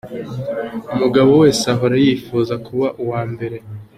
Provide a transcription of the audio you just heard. Umugabo wese ahora yifuza kuba uwambere.